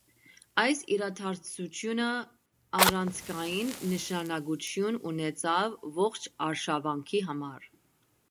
Այս իրադարձությունը առանցքային նշանակություն ունեցավ ողջ արշավանքի համար։